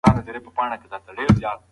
مدیریت د عقل کار دی.